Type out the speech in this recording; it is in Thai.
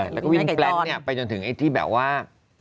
แล้วก็วิ่งแปล้นไปจนถึงไอ้ที่แบบว่า